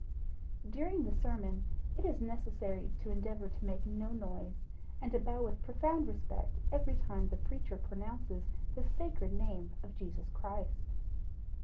During the sermon, it is necessary to endeavor to make no noise, and to bow with profound respect every time the preacher pronounces the sacred name of Jesus Christ.